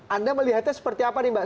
anda melihatnya seperti apa nih mbak